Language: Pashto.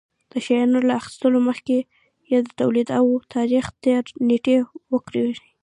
د شيانو له اخيستلو مخکې يې د توليد او تاريختېر نېټې وگورئ.